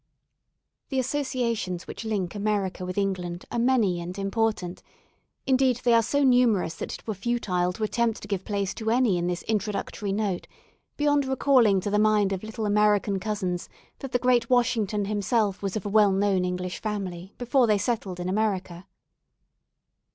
The Associations which link America with England are many and important; indeed they are so numerous that it were futile to attempt to give place to any in this introductory note beyond recalling to the mind of little American cousins that the great Washington himself was of a well known English family before they settled in America.